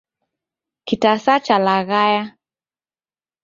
Kitasa chalaghaya